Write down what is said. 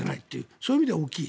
そういう意味では大きい。